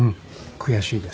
悔しいですか？